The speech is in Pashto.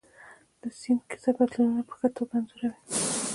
د سیند کیسه بدلونونه په ښه توګه انځوروي.